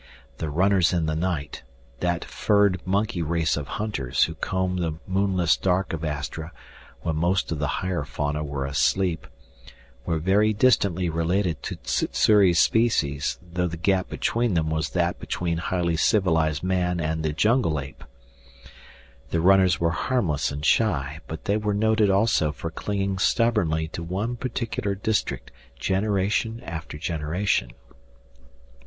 The runners in the night that furred monkey race of hunters who combed the moonless dark of Astra when most of the higher fauna were asleep were very distantly related to Sssuri's species, though the gap between them was that between highly civilized man and the jungle ape. The runners were harmless and shy, but they were noted also for clinging stubbornly to one particular district generation after generation.